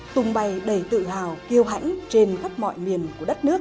tùng bày đầy tự hào kiêu hãnh trên khắp mọi miền của đất nước